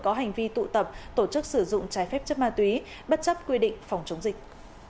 có hành vi tụ tập tổ chức sử dụng trái phép chất ma túy bất chấp quy định phòng chống dịch